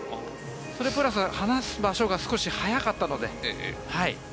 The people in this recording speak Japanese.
それプラス、離す場所が少し早かったので。